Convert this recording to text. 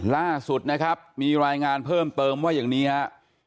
ล่าสุดนะครับมีรายงานเพิ่มเติมว่าอย่างนี้ฮะ